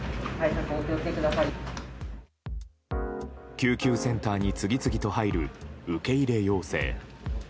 救急センターに次々と入る受け入れ要請。